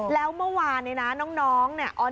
แล้วเมื่อวานเนี่ยนะน้องเนี่ย